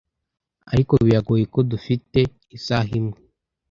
Ariko biragoye ko dufite, isaha imwe,